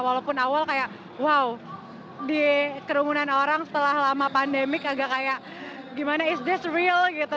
walaupun awal kayak wow di kerumunan orang setelah lama pandemi agak kayak gimana is this real gitu